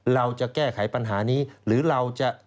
เราจะแก้ไขปัญหานี้หรือเราจะ